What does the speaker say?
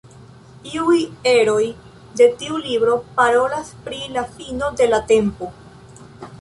Iuj eroj de tiu libro parolas pri la fino de la tempo.